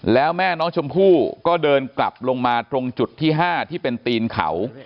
แล้วแม่น้องชมพู่ก็เดินกลับลงมาตรงจุดที่๕ที่เป็นตีนเขา